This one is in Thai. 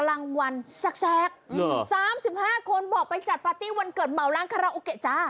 รางวัลแสก๓๕คนบอกไปจัดปาร์ตี้วันเกิดเหมาล้างคาราโอเกะจ้า